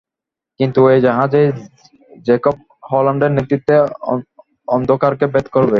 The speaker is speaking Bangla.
কিন্তু এই জাহাজই, জ্যাকব হল্যান্ডের নেতৃত্বে, অন্ধকারকে ভেদ করবে।